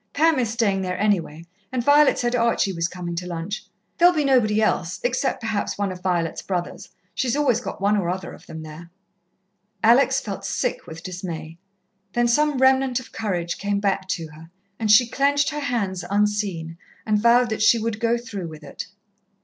Pam is staying there anyway, and Violet said Archie was coming to lunch. There'll be nobody else, except, perhaps, one of Violet's brothers. She's always got one or other of them there." Alex felt sick with dismay. Then some remnant of courage came back to her, and she clenched her hands unseen, and vowed that she would go through with it.